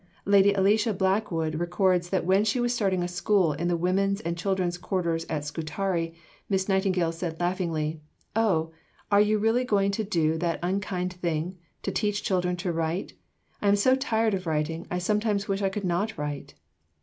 Lady Alicia Blackwood records that when she was starting a school in the women's and children's quarters at Scutari, Miss Nightingale said laughingly, "Oh, are you really going to do that unkind thing to teach children to write? I am so tired of writing, I sometimes wish I could not write!"